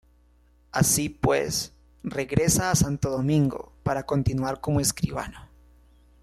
Así pues, regresa a Santo Domingo para continuar como escribano.